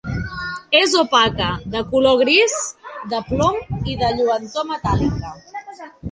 És opaca, de color gris de plom i de lluentor metàl·lica.